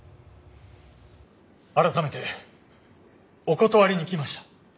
改めてお断りに来ました。